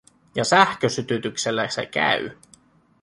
Ja sähkösytytyksellä se käy.